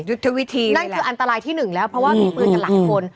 ยุทธวิธีนั่นคืออันตรายที่หนึ่งแล้วเพราะว่ามีปืนกันหลายคน